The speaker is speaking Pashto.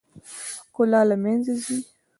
ښکلا له منځه ځي .